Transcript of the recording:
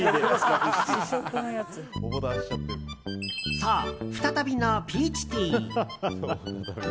そう、再びのピーチティー。